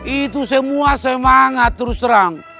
itu semua semangat terus terang